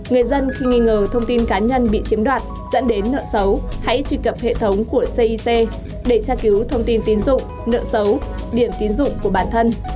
nghĩ ngờ thông tin cá nhân bị chiếm đoạt dẫn đến nợ xấu hãy truy cập hệ thống của cic để tra cứu thông tin tín dụng nợ xấu điểm tín dụng của bản thân